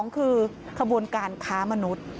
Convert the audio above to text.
๒คือขบวนการค้ามนุษย์